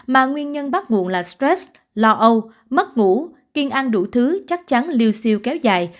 mà nguyên nhân bắt nguồn là stress lo âu mất ngủ kiên ăn đủ thứ chắc chắn lưu siêu kéo dài